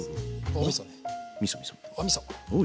おみそ。